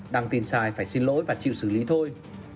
đăng tin sai phải xin lỗi và chịu xử lý thôi